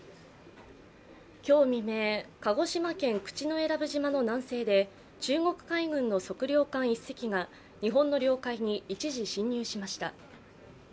今日未明、鹿児島県口永良部島の南西で中国海軍の測量艦１隻が日本の領海に一時侵入しました。